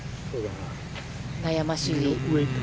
悩ましい。